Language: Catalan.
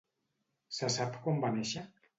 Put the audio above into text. Se sap quan va néixer?